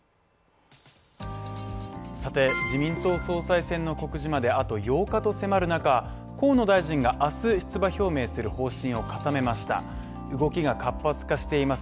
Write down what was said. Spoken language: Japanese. さて自民党総裁選の告示まであと８日と迫る中河野大臣が明日出馬表明する方針を固めました動きが活発化しています